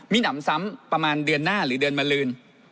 มีหนำซ้ำประมาณเดือนหน้าหรือเดือนมาลืน